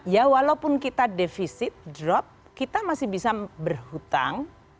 ya walaupun kita defisit drop kita masih bisa berhutang